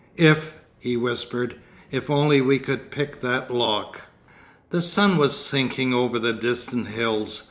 'If,' he whispered, 'if only we could pick that lock....' The sun was sinking over the distant hills.